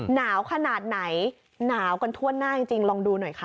หนาวขนาดไหนหนาวกันทั่วหน้าจริงลองดูหน่อยค่ะ